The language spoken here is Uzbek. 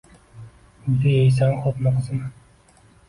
Uyda yeysan, xoʻpmi, qizim?